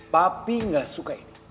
papi gak suka ini